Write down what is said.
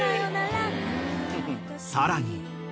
［さらに］